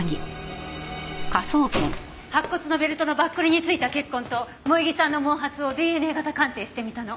白骨のベルトのバックルに付いた血痕と萌衣さんの毛髪をＤＮＡ型鑑定してみたの。